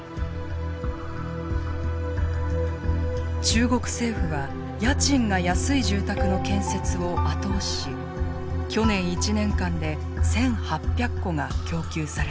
中国政府は家賃が安い住宅の建設を後押しし去年１年間で１，８００戸が供給された。